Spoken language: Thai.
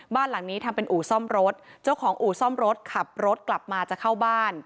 บ้านหลังนี้ทำเป็นอู่ซ่อมรถเจ้าของอู่ซ่อมรถขับรถกลับมาจะเข้าบ้าน